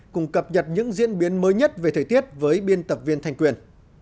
cùng cập nhật những diễn biến mới nhất về thời tiết với biên tập viên thanh quyền